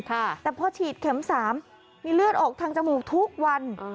แต่พอฉีดเข็มสามมีเลือดออกทางจมูกทุกวัน